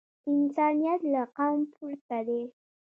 انسانیت له قوم پورته دی.